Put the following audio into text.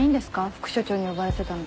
副署長に呼ばれてたの。